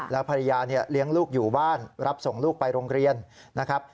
แล้วภรรยาเลี้ยงลูกอยู่บ้านรับส่งลูกไปโรงเรียนนะครับ